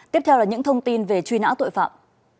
tiếp theo là những thông tin về truy nã tội phạm